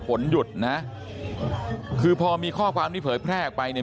ฝนหยุดนะคือพอมีข้อความที่เผยแพร่ออกไปเนี่ย